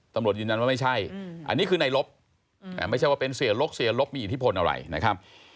ตำรวจยืนยันว่าไม่ใช่อันนี้คือในลบไม่ใช่ว่าเป็นเสียลบเสียลบมีอิทธิพลอะไรนะครับ